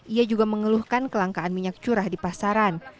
ia juga mengeluhkan kelangkaan minyak curah di pasaran